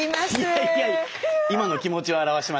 いやいや今の気持ちを表しました。